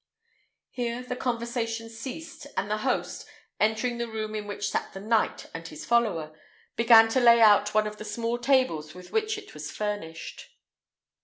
Here the conversation ceased; and the host, entering the room in which sat the knight and his follower, began to lay out one of the small tables with which it was furnished.